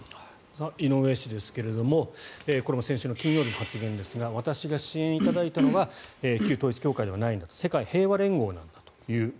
井上氏ですがこれも先週金曜日の発言ですが私が支援いただいたのは旧統一教会ではないんだと世界平和連合なんだと。